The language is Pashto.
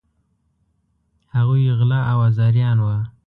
هغوی غله او آزاریان وه.